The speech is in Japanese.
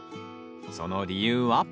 その理由は？